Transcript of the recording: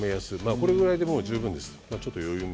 これぐらいでもう十分です。